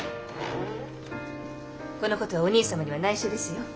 この事はお兄様にはないしょですよ。